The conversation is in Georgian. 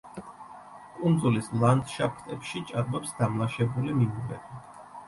კუნძულის ლანდშაფტებში ჭარბობს დამლაშებული მინდვრები.